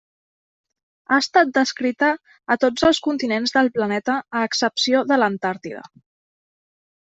Ha estat descrita a tots els continents del planeta a excepció de l'Antàrtida.